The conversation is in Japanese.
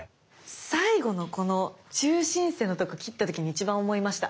最後のこの中心線のとこ切った時に一番思いました。